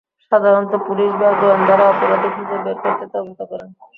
সাধারণত পুলিশ বা গোয়েন্দারা অপরাধী খুজে বের করতে তদন্ত করেন।